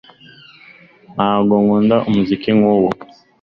ntabwo nkunda umuziki nk'uwo